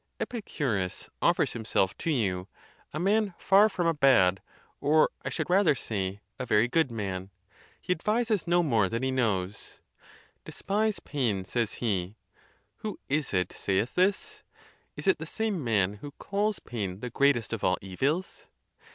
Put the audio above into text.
Epicurus offers himself to you, a man far from a bad—or,I should rather say, a very good man: he ad vises no more than he knows. " Despise pain," says he. Who is it saith this? Is it the same man who calls pain the greatest of all evils?